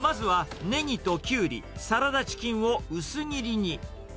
まずはネギとキュウリ、サラダチキンを薄切りに。